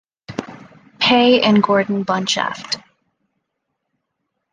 Pei and Gordon Bunshaft.